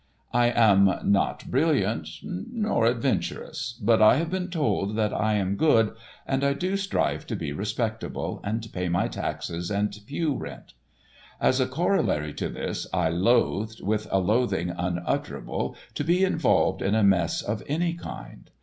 I am not brilliant nor adventurous, but I have been told that I am good, and I do strive to be respectable, and pay my taxes and pew rent. As a corollary to this, I loathed with, a loathing unutterable to be involved in a mess of any kind.